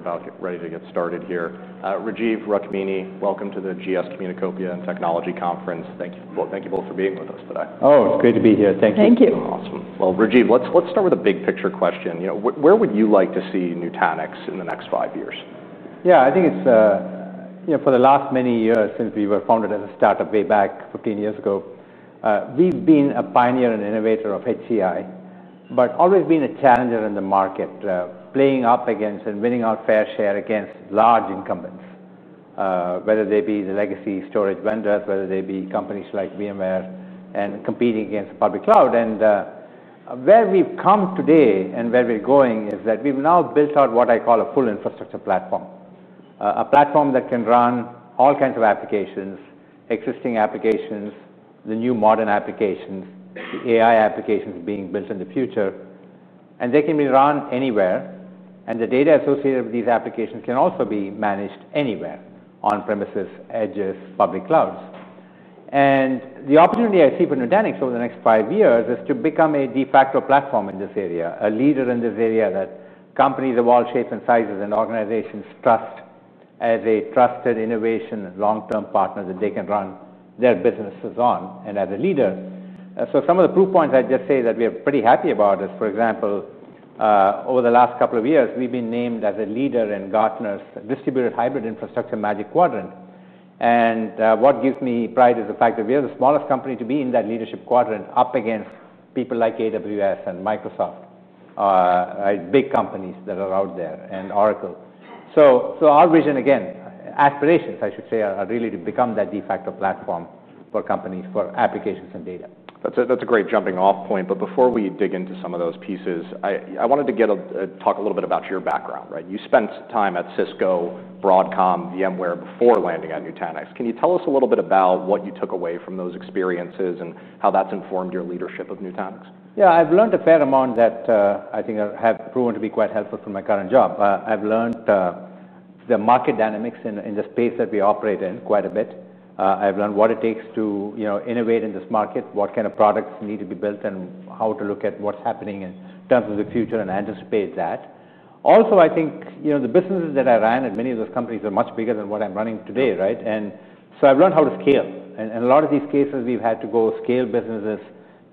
Right, I think we're about ready to get started here. Rajiv, Rukmini, welcome to the GS Communicopia and Technology Conference. Thank you both for being with us today. Oh, it's great to be here. Thank you. Thank you. Awesome. Rajiv, let's start with a big picture question. You know, where would you like to see Nutanix in the next five years? Yeah, I think it's, you know, for the last many years, since we were founded as a startup way back 15 years ago, we've been a pioneer and innovator of HCI, but always been a challenger in the market, playing up against and winning our fair share against large incumbents, whether they be the legacy storage vendors, whether they be companies like VMware and competing against the public cloud. Where we've come today and where we're going is that we've now built out what I call a full infrastructure platform, a platform that can run all kinds of applications, existing applications, the new modern applications, AI applications being built in the future. They can be run anywhere, and the data associated with these applications can also be managed anywhere: on-premises, edge, public clouds. The opportunity I see for Nutanix over the next five years is to become a de facto platform in this area, a leader in this area that companies of all shapes and sizes and organizations trust as a trusted innovation long-term partner that they can run their businesses on and as a leader. Some of the proof points I'd just say that we are pretty happy about is, for example, over the last couple of years, we've been named as a leader in Gartner's distributed hybrid infrastructure Magic Quadrant. What gives me pride is the fact that we are the smallest company to be in that leadership quadrant up against people like AWS and Microsoft, big companies that are out there, and Oracle. Our vision, again, aspirations, I should say, are really to become that de facto platform for companies for applications and data. That's a great jumping-off point. Before we dig into some of those pieces, I wanted to talk a little bit about your background. You spent time at Cisco, Broadcom, VMware before landing at Nutanix. Can you tell us a little bit about what you took away from those experiences and how that's informed your leadership of Nutanix? Yeah, I've learned a fair amount that I think have proven to be quite helpful for my current job. I've learned the market dynamics in the space that we operate in quite a bit. I've learned what it takes to innovate in this market, what kind of products need to be built, and how to look at what's happening in terms of the future and anticipate that. I think the businesses that I ran at many of those companies were much bigger than what I'm running today. I've learned how to scale. In a lot of these cases, we've had to go scale businesses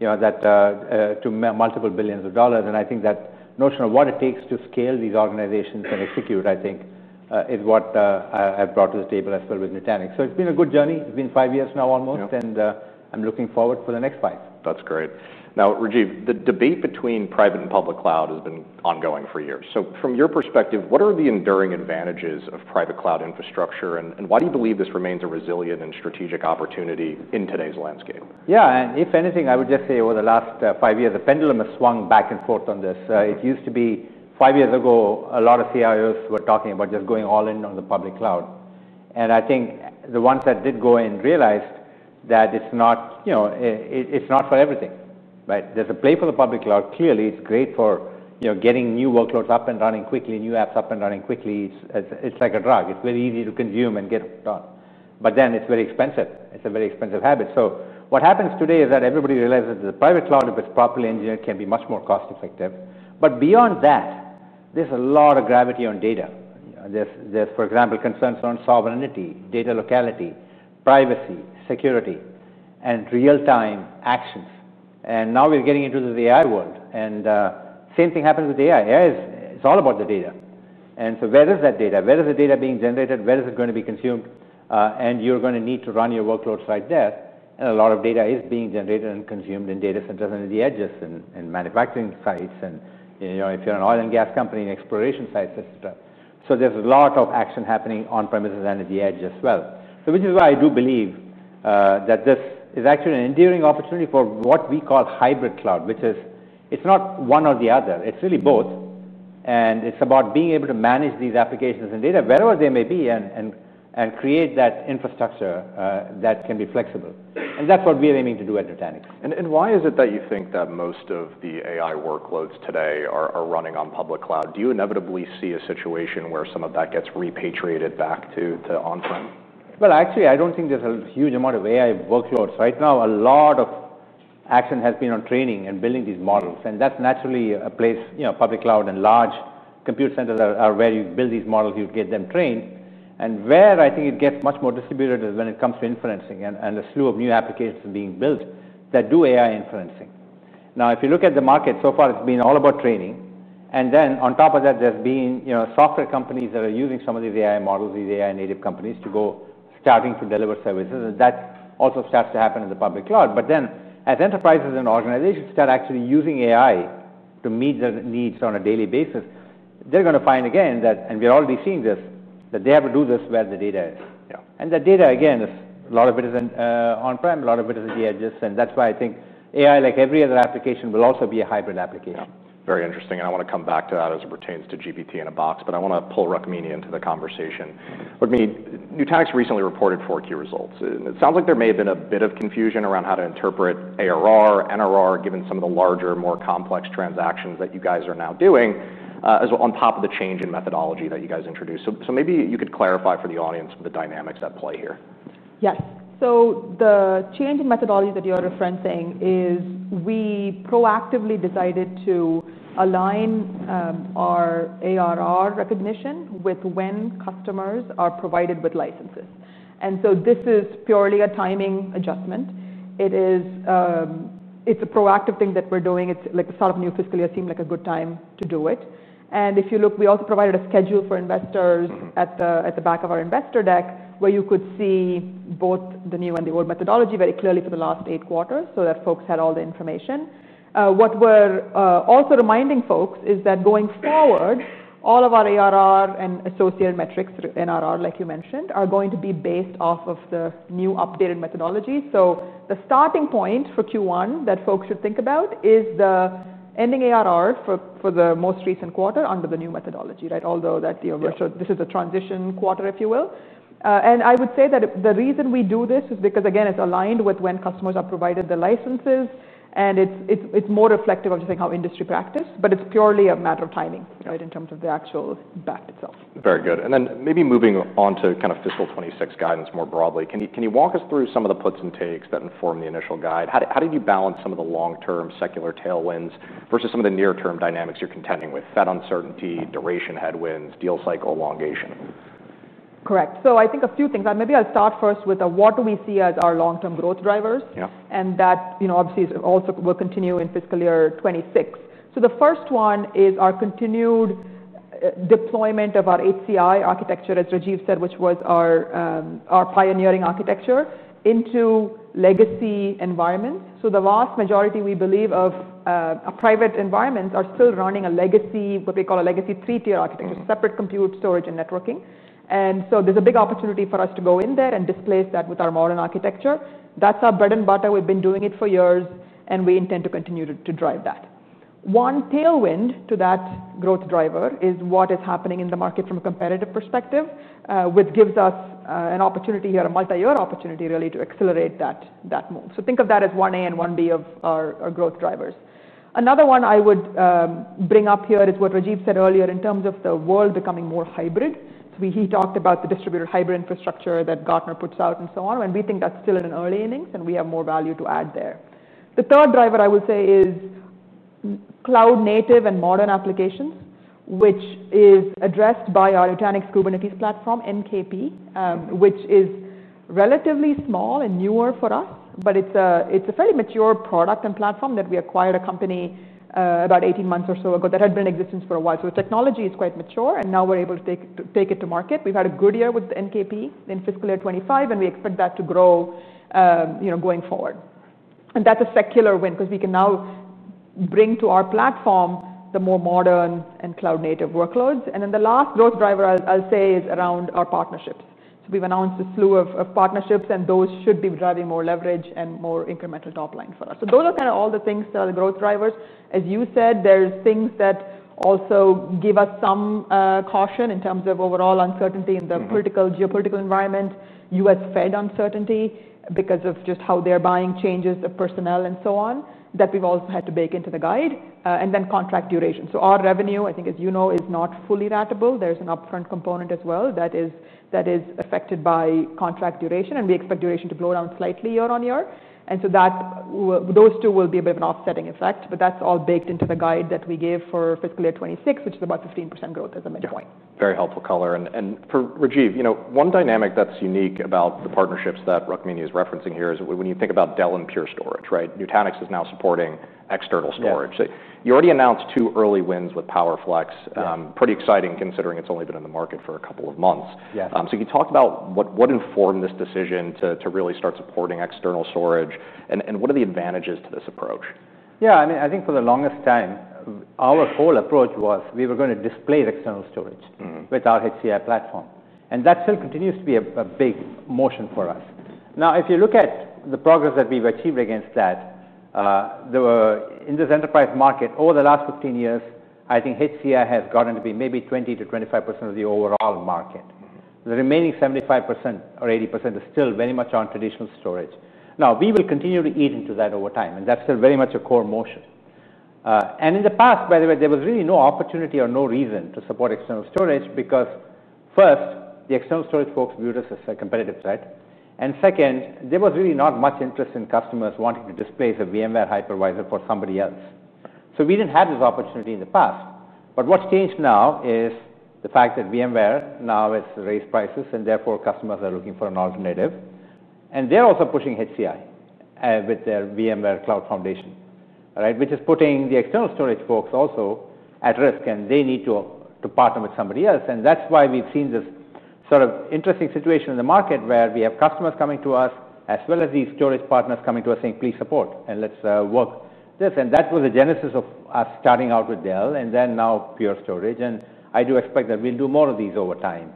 to multiple billions of dollars. I think that notion of what it takes to scale these organizations and execute, I think, is what I've brought to the table as well with Nutanix. It's been a good journey. It's been five years now, almost. I'm looking forward to the next five. That's great. Now, Rajiv, the debate between private and public cloud has been ongoing for years. From your perspective, what are the enduring advantages of private cloud infrastructure? Why do you believe this remains a resilient and strategic opportunity in today's landscape? Yeah, and if anything, I would just say over the last five years, the pendulum has swung back and forth on this. It used to be, five years ago, a lot of CIOs were talking about just going all in on the public cloud. I think the ones that did go in realized that it's not for everything. There's a play for the public cloud. Clearly, it's great for getting new workloads up and running quickly, new apps up and running quickly. It's like a drug. It's very easy to consume and get hooked on. It's very expensive. It's a very expensive habit. What happens today is that everybody realizes that the private cloud, if it's properly engineered, can be much more cost-effective. Beyond that, there's a lot of gravity on data. There's, for example, concerns around data sovereignty, data locality, privacy, security, and real-time actions. Now we're getting into the AI world. The same thing happens with AI. AI is all about the data. Where is that data? Where is the data being generated? Where is it going to be consumed? You're going to need to run your workloads right there. A lot of data is being generated and consumed in data centers and in the edge and manufacturing sites. If you're an oil and gas company, exploration sites, et cetera. There's a lot of action happening on-premises and at the edge as well. Which is why I do believe that this is actually an endearing opportunity for what we call hybrid cloud, which is it's not one or the other. It's really both. It's about being able to manage these applications and data wherever they may be and create that infrastructure that can be flexible. That's what we are aiming to do at Nutanix. Why is it that you think that most of the AI workloads today are running on public cloud? Do you inevitably see a situation where some of that gets repatriated back to on-prem? I don't think there's a huge amount of AI workloads. Right now, a lot of action has been on training and building these models. That's naturally a place public cloud and large compute centers are where you build these models, you get them trained. Where I think it gets much more distributed is when it comes to inferencing and a slew of new applications being built that do AI inferencing. If you look at the market, so far it's been all about training. On top of that, there's been software companies that are using some of these AI models, these AI-native companies to go starting to deliver services. That also starts to happen in the public cloud. As enterprises and organizations start actually using AI to meet their needs on a daily basis, they're going to find again that, and we're already seeing this, that they have to do this where the data is. That data, again, a lot of it is on-prem, a lot of it is at the edges. That's why I think AI, like every other application, will also be a hybrid application. Very interesting. I want to come back to that as it pertains to Nutanix GPT-in-a-Box. I want to pull Rukmini into the conversation. Rukmini, Nutanix recently reported four key results. It sounds like there may have been a bit of confusion around how to interpret ARR and NRR, given some of the larger, more complex transactions that you guys are now doing, as well as the change in methodology that you guys introduced. Maybe you could clarify for the audience the dynamics at play here. Yes. The change in methodology that you're referencing is we proactively decided to align our ARR recognition with when customers are provided with licenses. This is purely a timing adjustment. It's a proactive thing that we're doing. The start of new fiscal year seemed like a good time to do it. If you look, we also provided a schedule for investors at the back of our investor deck where you could see both the new and the old methodology very clearly for the last eight quarters so that folks had all the information. We're also reminding folks that going forward, all of our ARR and associated metrics, NRR, like you mentioned, are going to be based off of the new updated methodology. The starting point for Q1 that folks should think about is the ending ARR for the most recent quarter under the new methodology, right? Although this is a transition quarter, if you will. I would say that the reason we do this is because, again, it's aligned with when customers are provided the licenses. It's more reflective of just how industry practices. It's purely a matter of timing in terms of the actual fact itself. Very good. Maybe moving on to kind of fiscal 2026 guidance more broadly, can you walk us through some of the puts and takes that inform the initial guide? How did you balance some of the long-term secular tailwinds versus some of the near-term dynamics you're contending with, Fed uncertainty, duration headwinds, deal cycle elongation? Correct. I think a few things. Maybe I'll start first with what do we see as our long-term growth drivers. That obviously also will continue in fiscal year 2026. The first one is our continued deployment of our HCI architecture, as Rajiv said, which was our pioneering architecture, into legacy environments. The vast majority, we believe, of private environments are still running what we call a legacy three-tier architecture, separate compute, storage, and networking. There's a big opportunity for us to go in there and displace that with our modern architecture. That's our bread and butter. We've been doing it for years, and we intend to continue to drive that. One tailwind to that growth driver is what is happening in the market from a competitive perspective, which gives us an opportunity here, a multi-year opportunity, really, to accelerate that move. Think of that as 1A and 1B of our growth drivers. Another one I would bring up here is what Rajiv said earlier in terms of the world becoming more hybrid. He talked about the distributed hybrid infrastructure that Gartner puts out and so on. We think that's still in early innings, and we have more value to add there. The third driver, I would say, is cloud-native and modern applications, which is addressed by our Nutanix Kubernetes Platform, NKP, which is relatively small and newer for us, but it's a fairly mature product and platform. We acquired a company about 18 months or so ago that had been in existence for a while, so the technology is quite mature, and now we're able to take it to market. We've had a good year with NKP in fiscal year 2025, and we expect that to grow going forward. That's a secular win because we can now bring to our platform the more modern and cloud-native workloads. The last growth driver I'll say is around our partnerships. We've announced a slew of partnerships, and those should be driving more leverage and more incremental top line for us. Those are kind of all the things that are the growth drivers. As you said, there are things that also give us some caution in terms of overall uncertainty in the political, geopolitical environment, U.S. Fed uncertainty because of just how their buying changes of personnel and so on that we've also had to bake into the guide, and then contract duration. Our revenue, I think, as you know, is not fully ratable. There's an upfront component as well that is affected by contract duration, and we expect duration to go down slightly year on year. Those two will be a bit of an offsetting effect, but that's all baked into the guide that we gave for fiscal year 2026, which is about 15% growth as a midpoint. Very helpful color. For Rajiv, one dynamic that's unique about the partnerships that Rukmini is referencing here is when you think about Dell and Pure Storage, Nutanix is now supporting external storage. You already announced two early wins with PowerFlex, which is pretty exciting considering it's only been in the market for a couple of months. You talked about what informed this decision to really start supporting external storage. What are the advantages to this approach? Yeah, I mean, I think for the longest time, our whole approach was we were going to displace external storage with our HCI platform. That still continues to be a big motion for us. Now, if you look at the progress that we've achieved against that, in this enterprise market, over the last 15 years, I think HCI has gotten to be maybe 20% to 25% of the overall market. The remaining 75% or 80% is still very much on traditional storage. We will continue to eat into that over time. That's still very much a core motion. In the past, by the way, there was really no opportunity or no reason to support external storage because, first, the external storage folks viewed us as a competitive threat. Second, there was really not much interest in customers wanting to displace a VMware hypervisor for somebody else. We didn't have this opportunity in the past. What's changed now is the fact that VMware now has raised prices. Therefore, customers are looking for an alternative. They're also pushing HCI with their VMware Cloud Foundation, which is putting the external storage folks also at risk. They need to partner with somebody else. That's why we've seen this sort of interesting situation in the market where we have customers coming to us, as well as these storage partners coming to us saying, please support. Let's work this. That was the genesis of us starting out with Dell and then now Pure Storage. I do expect that we'll do more of these over time.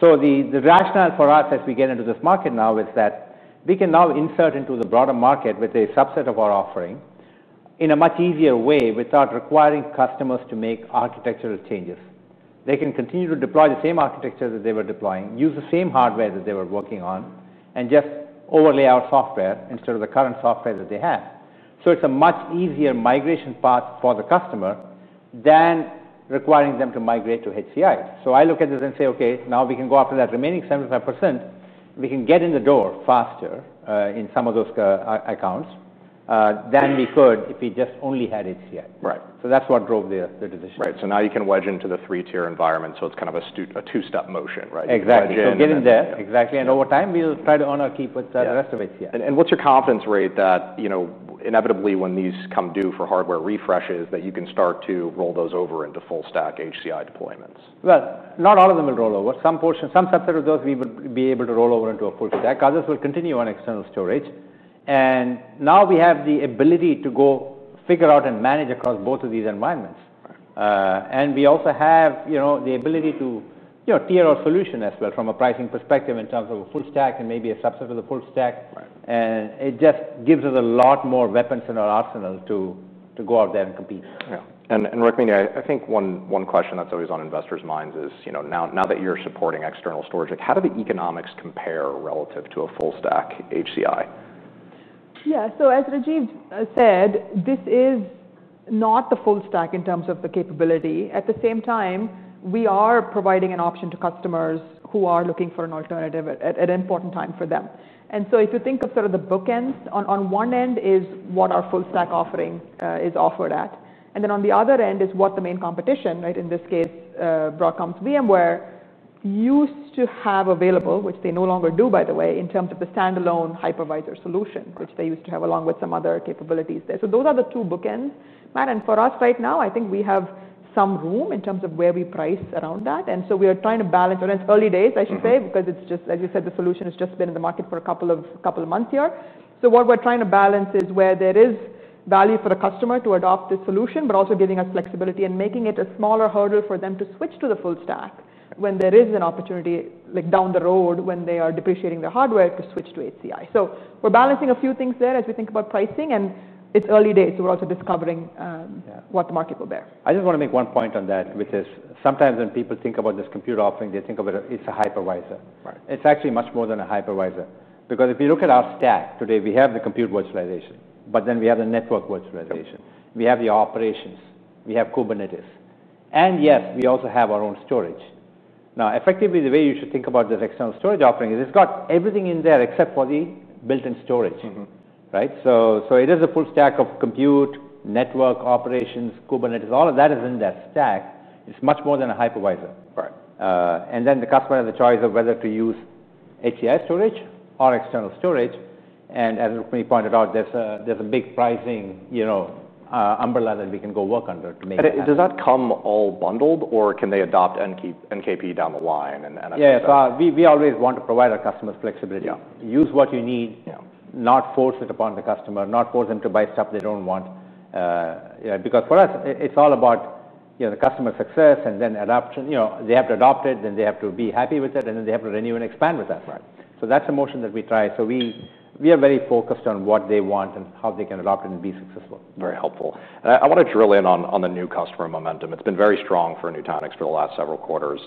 The rationale for us as we get into this market now is that we can now insert into the broader market with a subset of our offering in a much easier way without requiring customers to make architectural changes. They can continue to deploy the same architecture that they were deploying, use the same hardware that they were working on, and just overlay our software instead of the current software that they had. It's a much easier migration path for the customer than requiring them to migrate to HCI. I look at this and say, OK, now we can go after that remaining 75%. We can get in the door faster in some of those accounts than we could if we just only had HCI. Right. That's what drove the decision. Right. Now you can wedge into the legacy three-tier environment, so it's kind of a two-step motion. Exactly. You get in there. Exactly. Over time, we'll try to keep with the rest of HCI. What is your confidence rate that inevitably, when these come due for hardware refreshes, you can start to roll those over into full-stack HCI deployments? Not all of them will roll over. Some portions, some subsets of those, we would be able to roll over into a full stack because this will continue on external storage. Now we have the ability to go figure out and manage across both of these environments. We also have the ability to tier our solution as well from a pricing perspective in terms of a full stack and maybe a subset of the full stack. It just gives us a lot more weapons in our arsenal to go out there and compete. Yeah, Rukmini, I think one question that's always on investors' minds is now that you're supporting external storage, how do the economics compare relative to a full-stack HCI? Yeah, as Rajiv said, this is not the full stack in terms of the capability. At the same time, we are providing an option to customers who are looking for an alternative at an important time for them. If you think of the bookends, on one end is what our full-stack offering is offered at, and on the other end is what the main competition, in this case, Broadcom's VMware, used to have available, which they no longer do, by the way, in terms of the standalone hypervisor solution, which they used to have along with some other capabilities there. Those are the two bookends. For us right now, I think we have some room in terms of where we price around that. We are trying to balance, and it's early days, I should say, because, as you said, the solution has just been in the market for a couple of months here. What we're trying to balance is where there is value for the customer to adopt this solution, but also giving us flexibility and making it a smaller hurdle for them to switch to the full stack when there is an opportunity down the road when they are depreciating their hardware to switch to HCI. We're balancing a few things there as we think about pricing, and it's early days. We're also discovering what the market will bear. I just want to make one point on that, which is sometimes when people think about this compute offering, they think of it as a hypervisor. It's actually much more than a hypervisor because if you look at our stack today, we have the compute virtualization. We have the network virtualization. We have the operations. We have Kubernetes. Yes, we also have our own storage. Effectively, the way you should think about the external storage offering is it's got everything in there except for the built-in storage, right? It is a full stack of compute, network, operations, Kubernetes, all of that is in that stack. It's much more than a hypervisor. The customer has the choice of whether to use HCI storage or external storage. As Rukmini pointed out, there's a big pricing umbrella that we can go work under to make it. Does that come all bundled, or can they adopt Nutanix Kubernetes Platform down the line? Yeah, we always want to provide our customers flexibility. Use what you need, not force it upon the customer, not force them to buy stuff they don't want. For us, it's all about the customer success and adoption. They have to adopt it, be happy with it, and then they have to renew and expand with that. That's the motion that we try. We are very focused on what they want and how they can adopt it and be successful. Very helpful. I want to drill in on the new customer momentum. It's been very strong for Nutanix for the last several quarters.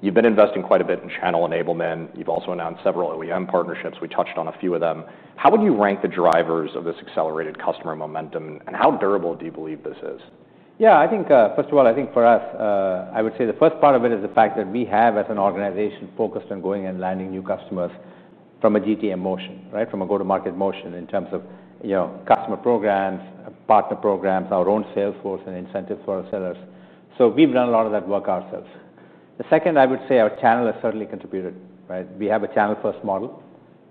You've been investing quite a bit in channel enablement. You've also announced several OEM partnerships. We touched on a few of them. How would you rank the drivers of this accelerated customer momentum? How durable do you believe this is? Yeah, I think first of all, for us, I would say the first part of it is the fact that we have, as an organization, focused on going and landing new customers from a go-to-market motion in terms of customer programs, partner programs, our own sales force, and incentives for our sellers. We've done a lot of that work ourselves. The second, I would say, our channel has certainly contributed. We have a channel-first model,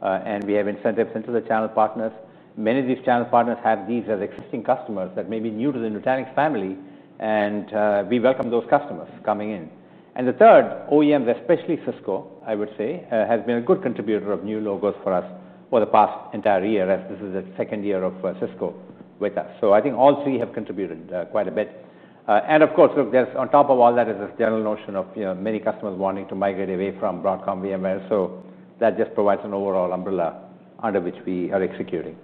and we have incentives into the channel partners. Many of these channel partners have these as existing customers that may be new to the Nutanix family. We welcome those customers coming in. The third, OEMs, especially Cisco, I would say, has been a good contributor of new logos for us over the past entire year as this is the second year of Cisco with us. I think all three have contributed quite a bit. Of course, on top of all that is this general notion of many customers wanting to migrate away from Broadcom, VMware. That just provides an overall umbrella under which we are executing.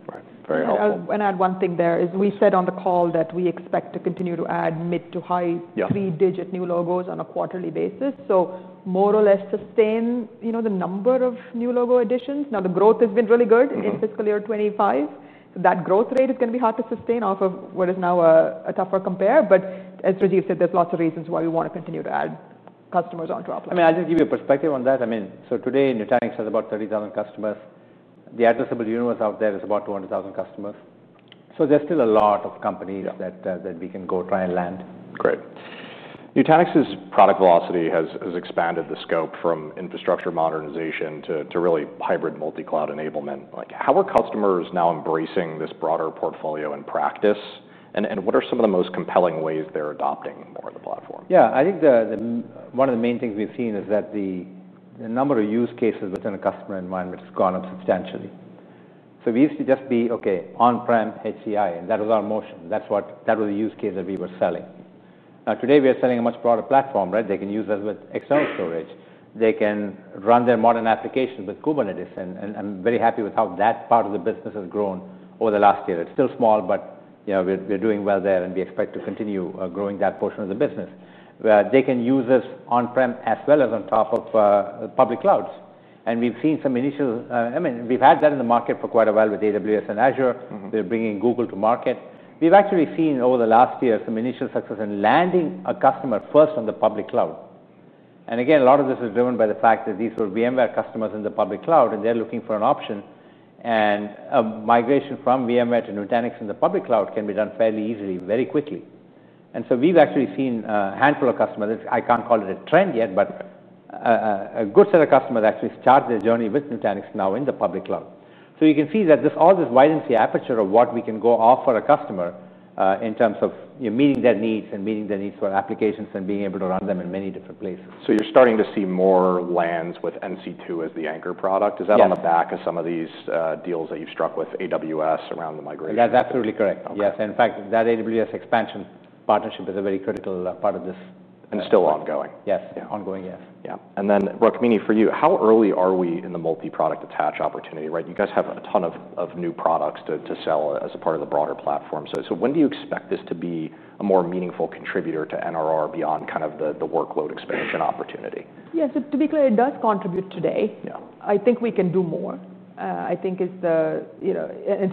Very helpful. I'll add one thing there. We said on the call that we expect to continue to add mid to high three-digit new logos on a quarterly basis, more or less sustain the number of new logo additions. The growth has been really good in fiscal year 2025. That growth rate, it can be hard to sustain off of what is now a tougher compare. As Rajiv said, there's lots of reasons why we want to continue to add customers onto our platform. I'll just give you a perspective on that. Today, Nutanix has about 30,000 customers. The addressable universe out there is about 200,000 customers. There's still a lot of companies that we can go try and land. Great. Nutanix's product velocity has expanded the scope from infrastructure modernization to really hybrid multi-cloud enablement. How are customers now embracing this broader portfolio in practice? What are some of the most compelling ways they're adopting more of the platform? Yeah, I think one of the main things we've seen is that the number of use cases within a customer environment has gone up substantially. We used to just be, OK, on-prem HCI, and that was our motion. That was the use case that we were selling. Today, we are selling a much broader platform. They can use this with external storage. They can run their modern applications with Kubernetes. I'm very happy with how that part of the business has grown over the last year. It's still small, but we're doing well there, and we expect to continue growing that portion of the business. They can use this on-prem as well as on top of public clouds. We've seen some initials, I mean, we've had that in the market for quite a while with AWS and Azure. We're bringing Google to market. We've actually seen over the last year some initial success in landing a customer first on the public cloud. A lot of this is driven by the fact that these were VMware customers in the public cloud, and they're looking for an option. A migration from VMware to Nutanix in the public cloud can be done fairly easily, very quickly. We've actually seen a handful of customers. I can't call it a trend yet, but a good set of customers actually started their journey with Nutanix now in the public cloud. You can see that all this wide and see aperture of what we can go offer a customer in terms of meeting their needs and meeting their needs for applications and being able to run them in many different places. You're starting to see more lands with Nutanix NC2 as the anchor product. Is that on the back of some of these deals that you've struck with AWS around the migration? That's absolutely correct. Yes, in fact, that AWS expansion partnership is a very critical part of this. Still ongoing. Yes, ongoing, yes. Yeah, Rukmini, for you, how early are we in the multi-product attach opportunity? You guys have a ton of new products to sell as a part of the broader platform. When do you expect this to be a more meaningful contributor to NRR beyond kind of the workload expansion opportunity? Yeah, to be clear, it does contribute today. I think we can do more. It's the,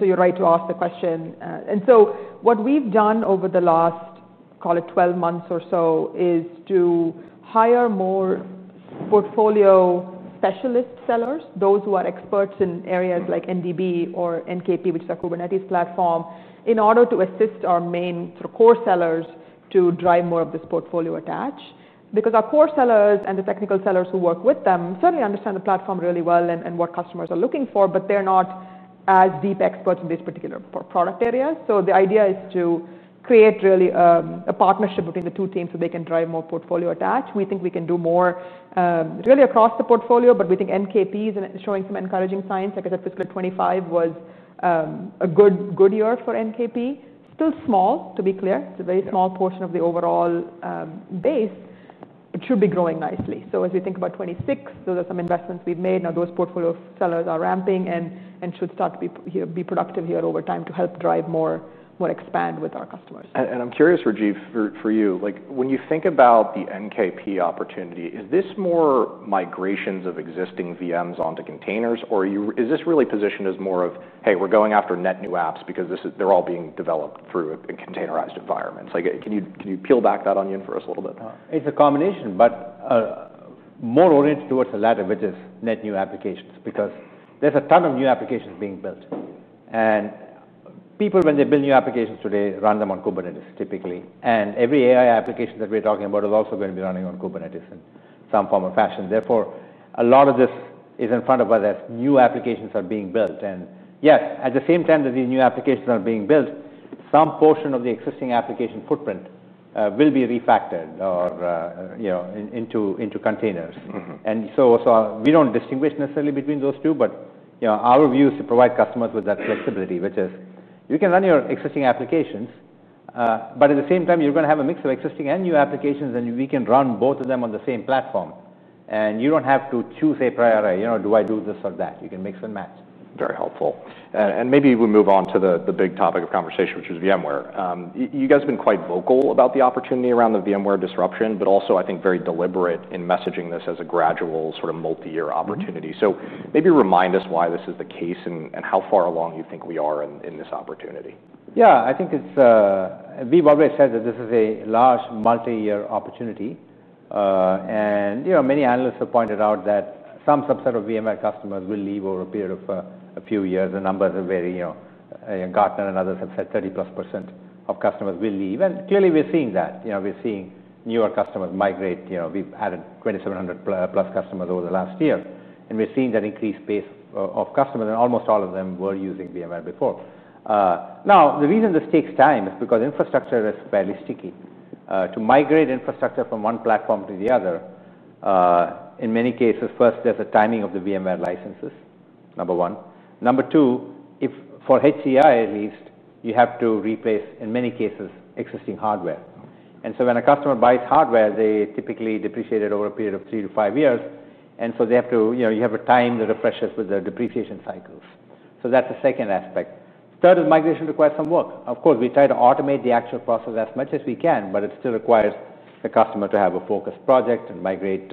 you're right to ask the question. What we've done over the last, call it, 12 months or so is to hire more portfolio specialist sellers, those who are experts in areas like NDB or NKP, which is our Kubernetes platform, in order to assist our main core sellers to drive more of this portfolio attach. Our core sellers and the technical sellers who work with them certainly understand the platform really well and what customers are looking for, but they're not as deep experts in these particular product areas. The idea is to create really a partnership between the two teams so they can drive more portfolio attach. We think we can do more really across the portfolio. We think NKP is showing some encouraging signs. Like I said, fiscal year 2025 was a good year for NKP. Still small, to be clear. It's a very small portion of the overall base. It should be growing nicely. As we think about 2026, those are some investments we've made. Now those portfolio sellers are ramping and should start to be productive here over time to help drive more, more expand with our customers. I'm curious, Rajiv, for you, when you think about the NKP opportunity, is this more migrations of existing VMs onto containers, or is this really positioned as more of, hey, we're going after net new apps because they're all being developed through a containerized environment? Can you peel back that onion for us a little bit? It's a combination, but more oriented towards the latter, which is net new applications because there's a ton of new applications being built. People, when they build new applications today, run them on Kubernetes, typically. Every AI application that we're talking about is also going to be running on Kubernetes in some form or fashion. Therefore, a lot of this is in front of us as new applications are being built. At the same time that these new applications are being built, some portion of the existing application footprint will be refactored into containers. We don't distinguish necessarily between those two. Our view is to provide customers with that flexibility, which is you can run your existing applications. At the same time, you're going to have a mix of existing and new applications, and we can run both of them on the same platform. You don't have to choose a priori. Do I do this or that? You can mix and match. Very helpful. Maybe we move on to the big topic of conversation, which is VMware. You guys have been quite vocal about the opportunity around the VMware disruption, but also, I think, very deliberate in messaging this as a gradual sort of multi-year opportunity. Maybe remind us why this is the case and how far along you think we are in this opportunity. Yeah, I think it's, we've always said that this is a large multi-year opportunity. Many analysts have pointed out that some subset of VMware customers will leave over a period of a few years. The numbers are very, Gartner and others have said 30%+ of customers will leave. Clearly, we're seeing that. We're seeing newer customers migrate. We've added 2,700+ customers over the last year. We're seeing that increased base of customers, and almost all of them were using VMware before. The reason this takes time is because infrastructure is fairly sticky. To migrate infrastructure from one platform to the other, in many cases, first, there's a timing of the VMware licenses, number one. Number two, for HCI at least, you have to replace, in many cases, existing hardware. When a customer buys hardware, they typically depreciate it over a period of three to five years, so you have to time that refresh with the depreciation cycles. That's the second aspect. Third is migration requires some work. Of course, we try to automate the actual process as much as we can, but it still requires the customer to have a focused project and migrate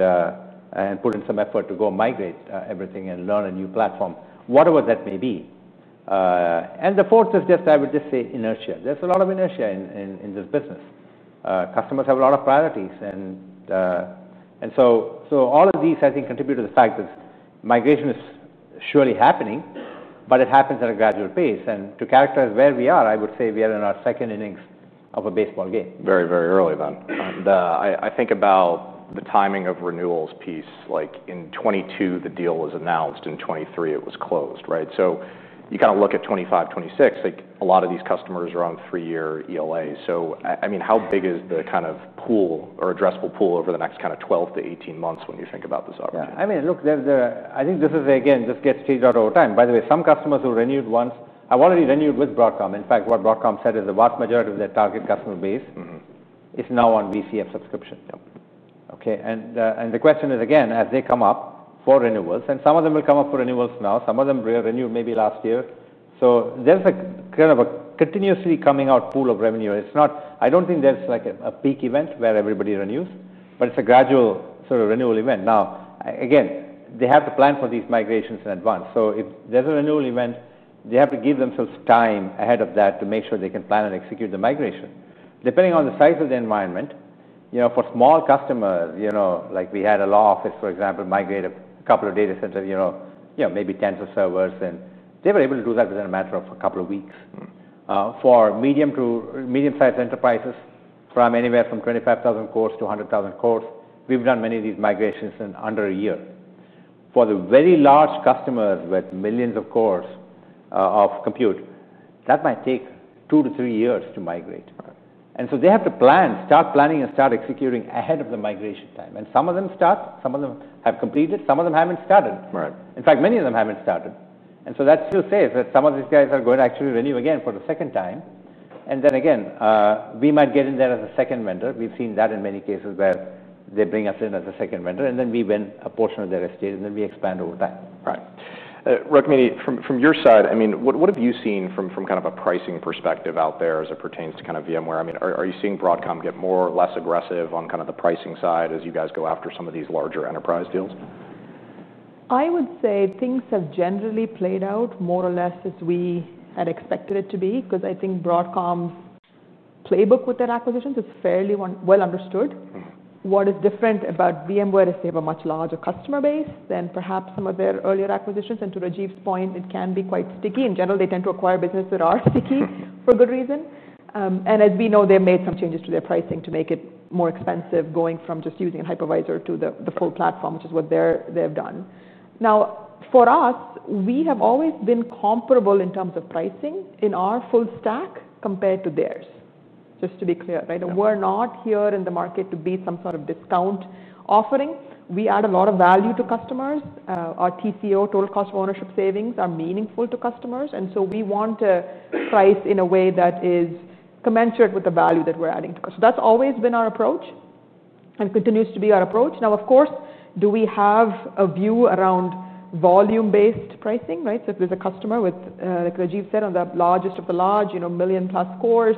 and put in some effort to go migrate everything and learn a new platform, whatever that may be. The fourth is just, I would just say, inertia. There's a lot of inertia in this business. Customers have a lot of priorities. All of these, I think, contribute to the fact that migration is surely happening, but it happens at a gradual pace. To characterize where we are, I would say we are in our second innings of a baseball game. Very, very early then. I think about the timing of renewals piece. Like in 2022, the deal was announced. In 2023, it was closed. You kind of look at 2025, 2026, like a lot of these customers are on three-year ELAs. I mean, how big is the kind of pool or addressable pool over the next 12 to 18 months when you think about this opportunity? Yeah, I mean, look, I think this is, again, this gets changed out over time. By the way, some customers who renewed once have already renewed with Broadcom. In fact, what Broadcom said is the vast majority of their target customer base is now on VCF subscription. OK, the question is, again, as they come up for renewals, and some of them will come up for renewals now. Some of them renewed maybe last year. There's a kind of a continuously coming out pool of revenue. I don't think there's like a peak event where everybody renews. It's a gradual sort of renewal event. They have to plan for these migrations in advance. If there's a renewal event, they have to give themselves time ahead of that to make sure they can plan and execute the migration. Depending on the size of the environment, for small customers, like we had a law office, for example, migrate a couple of data centers, maybe tens of servers, and they were able to do that within a matter of a couple of weeks. For medium-sized enterprises, from anywhere from 25,000 cores to 100,000 cores, we've done many of these migrations in under a year. For the very large customers with millions of cores of compute, that might take two to three years to migrate. They have to plan, start planning, and start executing ahead of the migration time. Some of them start. Some of them have completed. Some of them haven't started. In fact, many of them haven't started. That still says that some of these guys are going to actually renew again for the second time. We might get in there as a second vendor. We've seen that in many cases where they bring us in as a second vendor, and then we win a portion of their estate, and then we expand over time. Right. Rukmini, from your side, what have you seen from kind of a pricing perspective out there as it pertains to VMware? Are you seeing Broadcom get more or less aggressive on the pricing side as you guys go after some of these larger enterprise deals? I would say things have generally played out more or less as we had expected it to be because I think Broadcom's playbook with their acquisitions is fairly well understood. What is different about VMware is they have a much larger customer base than perhaps some of their earlier acquisitions. To Rajiv's point, it can be quite sticky. In general, they tend to acquire businesses that are sticky for good reason. As we know, they've made some changes to their pricing to make it more expensive going from just using a hypervisor to the full platform, which is what they've done. For us, we have always been comparable in terms of pricing in our full stack compared to theirs, just to be clear. We're not here in the market to be some sort of discount offering. We add a lot of value to customers. Our TCO, total cost of ownership savings, are meaningful to customers. We want to price in a way that is commensurate with the value that we're adding to customers. That's always been our approach and continues to be our approach. Of course, do we have a view around volume-based pricing? If there's a customer, like Rajiv said, on the largest of the large, million plus cores,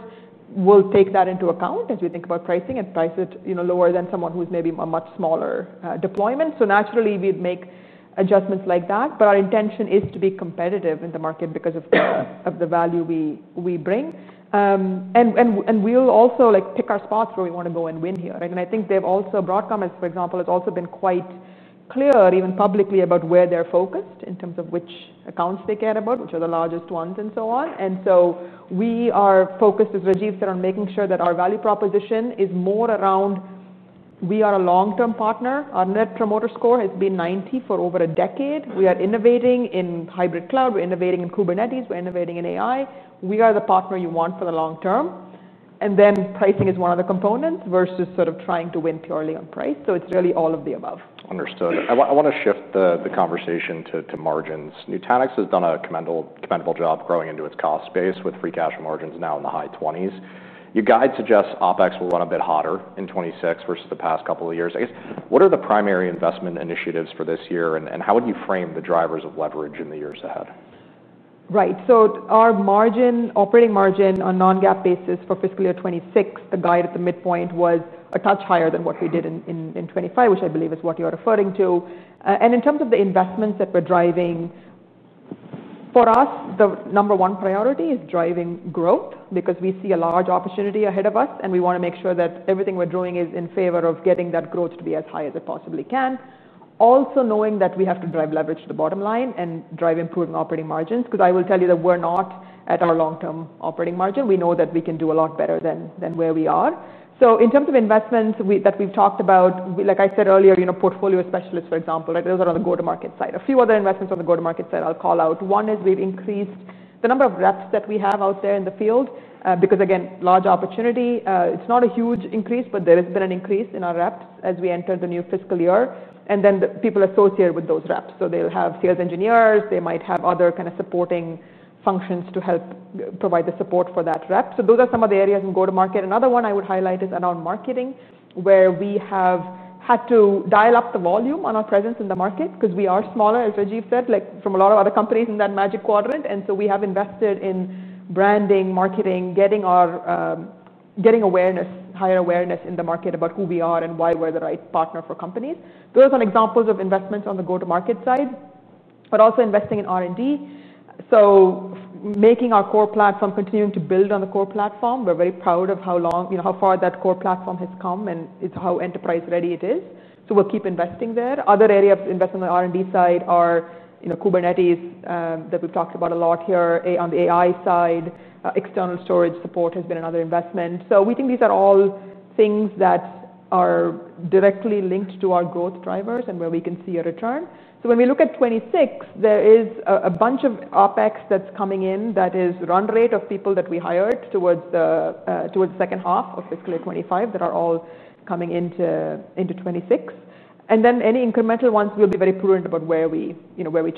we'll take that into account as we think about pricing and price it lower than someone who's maybe a much smaller deployment. Naturally, we'd make adjustments like that. Our intention is to be competitive in the market because of the value we bring. We'll also pick our spots where we want to go and win here. I think they've also, Broadcom, for example, has also been quite clear, even publicly, about where they're focused in terms of which accounts they care about, which are the largest ones and so on. We are focused, as Rajiv said, on making sure that our value proposition is more around we are a long-term partner. Our net promoter score has been 90 for over a decade. We are innovating in hybrid cloud. We're innovating in Kubernetes. We're innovating in AI. We are the partner you want for the long term. Pricing is one of the components versus sort of trying to win purely on price. It's really all of the above. Understood. I want to shift the conversation to margins. Nutanix has done a commendable job growing into its cost base with free cash margins now in the high 20s. Your guide suggests OpEx will run a bit hotter in 2026 versus the past couple of years. I guess, what are the primary investment initiatives for this year? How would you frame the drivers of leverage in the years ahead? Right. So our margin, operating margin on non-GAAP basis for fiscal year 2026, the guide at the midpoint was a touch higher than what we did in 2025, which I believe is what you're referring to. In terms of the investments that we're driving, for us, the number one priority is driving growth because we see a large opportunity ahead of us. We want to make sure that everything we're doing is in favor of getting that growth to be as high as it possibly can, also knowing that we have to drive leverage to the bottom line and drive improving operating margins. I will tell you that we're not at our long-term operating margin. We know that we can do a lot better than where we are. In terms of investments that we've talked about, like I said earlier, portfolio specialists, for example, those are on the go-to-market side. A few other investments on the go-to-market side I'll call out. One is we've increased the number of reps that we have out there in the field because, again, large opportunity. It's not a huge increase, but there has been an increase in our reps as we entered the new fiscal year. The people associated with those reps, they'll have sales engineers. They might have other kind of supporting functions to help provide the support for that rep. Those are some of the areas in go-to-market. Another one I would highlight is around marketing, where we have had to dial up the volume on our presence in the market because we are smaller, as Rajiv said, from a lot of other companies in that Magic Quadrant. We have invested in branding, marketing, getting awareness, higher awareness in the market about who we are and why we're the right partner for companies. Those are some examples of investments on the go-to-market side, but also investing in R&D. Making our core platform, continuing to build on the core platform. We're very proud of how far that core platform has come and how enterprise-ready it is. We'll keep investing there. Other areas of investment on the R&D side are Kubernetes that we've talked about a lot here. On the AI side, external storage support has been another investment. We think these are all things that are directly linked to our growth drivers and where we can see a return. When we look at 2026, there is a bunch of OpEx that's coming in. That is run rate of people that we hired towards the second half of fiscal year 2025 that are all coming into 2026. We will be very prudent about where we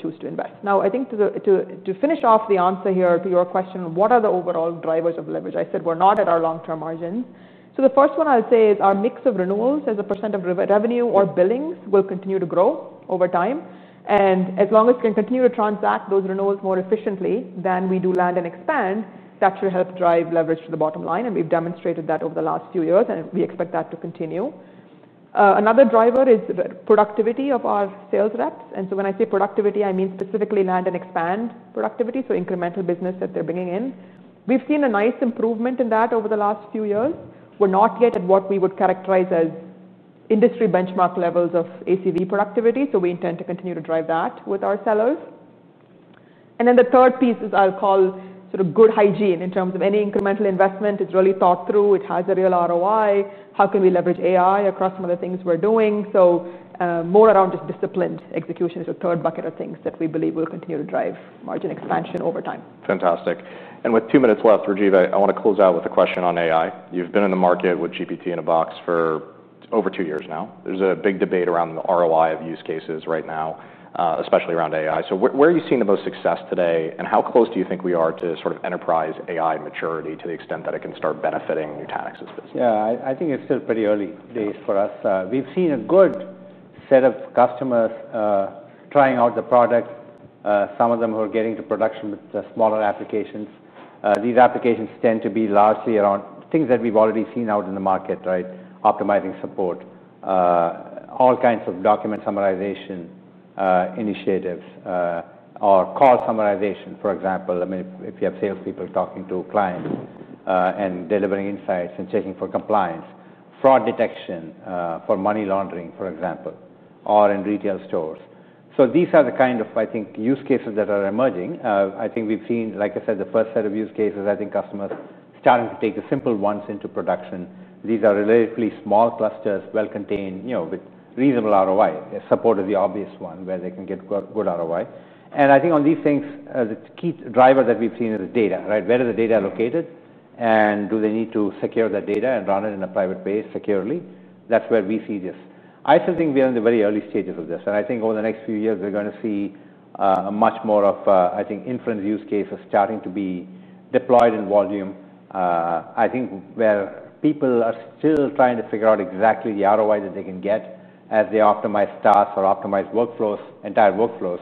choose to invest any incremental ones. To finish off the answer to your question, what are the overall drivers of leverage? We're not at our long-term margins. The first one is our mix of renewals as a % of revenue or billings will continue to grow over time. As long as we can continue to transact those renewals more efficiently than we do land and expand, that should help drive leverage to the bottom line. We've demonstrated that over the last few years, and we expect that to continue. Another driver is productivity of our sales reps. When I say productivity, I mean specifically land and expand productivity, so incremental business that they're bringing in. We've seen a nice improvement in that over the last few years. We're not yet at what we would characterize as industry benchmark levels of ACV productivity, so we intend to continue to drive that with our sellers. The third piece is what I'll call good hygiene in terms of any incremental investment being really thought through. It has a real ROI. How can we leverage AI across some of the things we're doing? More around just disciplined execution is the third bucket of things that we believe will continue to drive margin expansion over time. Fantastic. With two minutes left, Rajiv, I want to close out with a question on AI. You've been in the market with Nutanix GPT-in-a-Box for over two years now. There's a big debate around the ROI of use cases right now, especially around AI. Where are you seeing the most success today? How close do you think we are to sort of enterprise AI maturity to the extent that it can start benefiting Nutanix's business? Yeah, I think it's still pretty early days for us. We've seen a good set of customers trying out the product, some of them who are getting to production with smaller applications. These applications tend to be largely around things that we've already seen out in the market, optimizing support, all kinds of document summarization initiatives, or call summarization, for example. If you have salespeople talking to clients and delivering insights and checking for compliance, fraud detection for money laundering, for example, or in retail stores, these are the kind of use cases that are emerging. I think we've seen, like I said, the first set of use cases. Customers are starting to take the simple ones into production. These are relatively small clusters, well-contained, with reasonable ROI. Support is the obvious one where they can get good ROI. On these things, the key driver that we've seen is data. Where is the data located? Do they need to secure that data and run it in a private base securely? That's where we see this. I still think we are in the very early stages of this. Over the next few years, we're going to see much more of inference use cases starting to be deployed in volume, where people are still trying to figure out exactly the ROI that they can get as they optimize tasks or optimize entire workflows.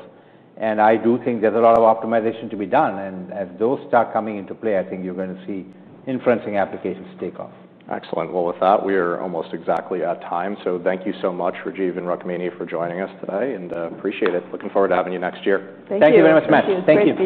I do think there's a lot of optimization to be done. As those start coming into play, you're going to see inferencing applications take off. Excellent. With that, we are almost exactly at time. Thank you so much, Rajiv and Rukmini, for joining us today. Appreciate it. Looking forward to having you next year. Thank you very much, Matt. Thank you.